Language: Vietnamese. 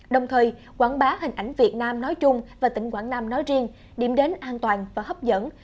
đồng thời quảng bá hình ảnh việt nam nói chung và tỉnh quảng nam nói riêng điểm đến an toàn và hấp dẫn